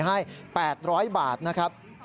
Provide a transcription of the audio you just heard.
ให้๘๐๐บาทนะครับ